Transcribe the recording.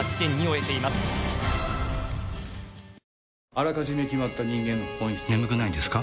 あらかじめ決まった人間の本質はありません。